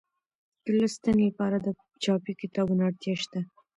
د لوستنې لپاره د چاپي کتابونو اړتیا شته.